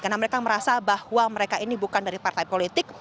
karena mereka merasa bahwa mereka ini bukan dari partai politik